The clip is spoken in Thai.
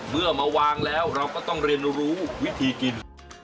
เมื่อมาวางแล้วเราก็ต้องเรียนรู้วิธีกิน